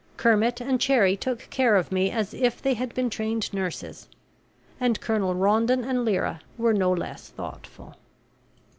Kermit and Cherrie took care of me as if they had been trained nurses; and Colonel Rondon and Lyra were no less thoughtful.